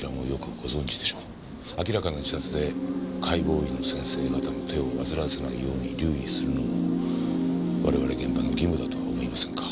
明らかな自殺で解剖医の先生方の手を煩わせないように留意するのも我々現場の義務だとは思いませんか？